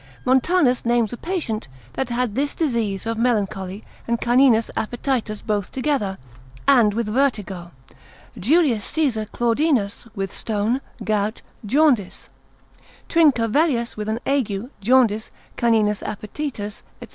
Montanus consil. 26, names a patient that had this disease of melancholy and caninus appetitus both together; and consil. 23, with vertigo, Julius Caesar Claudinus with stone, gout, jaundice. Trincavellius with an ague, jaundice, caninus appetitus, &c.